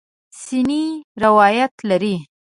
سنې روایت لري.